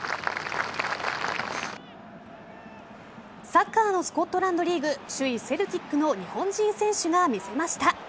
サッカーのスコットランドリーグ首位・セルティックの日本人選手が見せました。